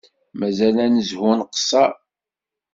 Mazal ad nezhu ad nqeṣṣer